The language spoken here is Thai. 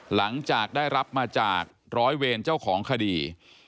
หลังจากได้รับมาจากร้อยเวรเจ้าของคดี